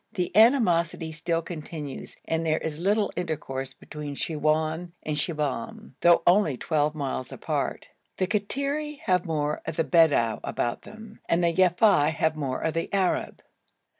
The animosity still continues and there is little intercourse between Siwoun and Shibahm, though only twelve miles apart. The Kattiri have more of the Bedou about them and the Yafei have more of the Arab.